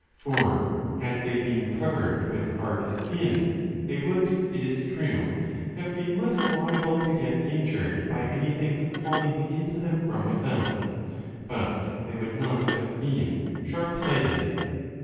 For had they been covered with hard skin, they would, it is true, have been less liable to get injured by anything falling into them from without, but they would not have been sharp sighted.